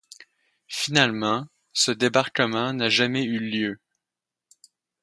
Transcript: Finalement, ce débarquement n'a jamais eu lieu.